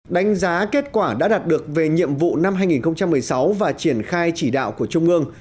đánh giá kết quả đã đạt được về nhiệm vụ năm hai nghìn một mươi sáu và triển khai chỉ đạo của trung ương